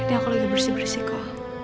aku lagi bersih bersih kok